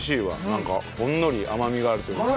なんかほんのり甘みがあるというか。